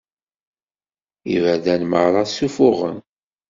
Iberdan merra sufuɣen.